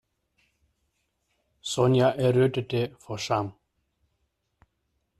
Sonja errötete vor Scham.